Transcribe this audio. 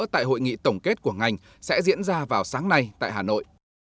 tại hội nghị tổng kết của ngành sẽ diễn ra vào sáng nay tại hà nội